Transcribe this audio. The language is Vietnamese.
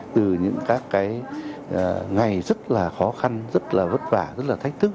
từ những các cái ngày rất là khó khăn rất là vất vả rất là thách thức